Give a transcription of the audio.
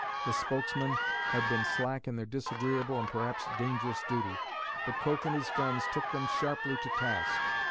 The spokesmen had been slack in their disagreeable and perhaps dangerous duty. But Coke and his friends took them sharply to task.